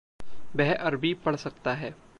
वह अरबी पढ़ सकता है।